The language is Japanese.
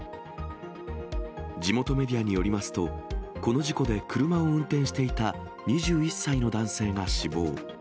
地元メディアによりますと、この事故で車を運転していた２１歳の男性が死亡。